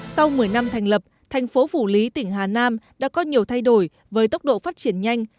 sau một mươi năm thành lập thành phố phủ lý tỉnh hà nam đã có nhiều thay đổi với tốc độ phát triển nhanh